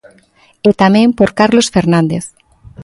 E tamén por Carlos Fernández.